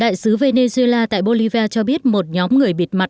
đại sứ venezuela tại bolivar cho biết một nhóm người bịt mặt